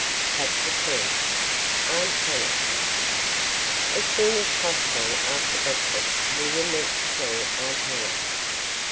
CHAPTER X AUNT HANNAH As soon as possible after breakfast William went to see Aunt Hannah.